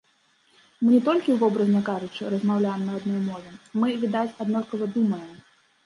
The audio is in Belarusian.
Мы не толькі, вобразна кажучы, размаўляем на адной мове, мы, відаць, аднолькава думаем.